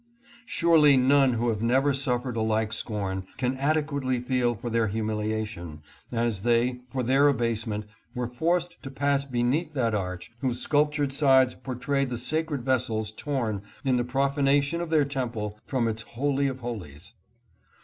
Surely none who have never suf fered a like scorn can adequately feel for their humilia tion, as they, for their abasement, were forced to pass beneath that arch whose sculptured sides portrayed the sacred vessels torn, in the profanation of their Temple, from its Holy of Holies.